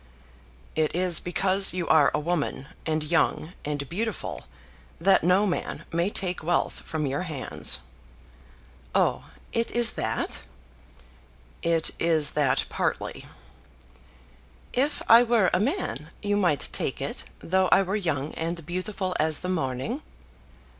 "It is because you are a woman, and young, and beautiful, that no man may take wealth from your hands." "Oh, it is that!" "It is that partly," "If I were a man you might take it, though I were young and beautiful as the morning?"